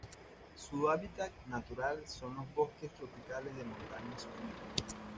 Su hábitat natural son los bosques tropicales de montaña húmedos.